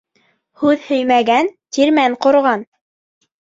Һүҙ һөймәгән тирмән ҡорған.